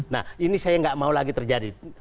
nah ini saya nggak mau lagi terjadi